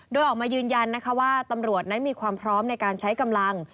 โดยออกมายืนยันนะคะว่าตำรวจนั้นมีความพร้อมในการใช้กำลัง